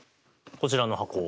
こちらの箱を。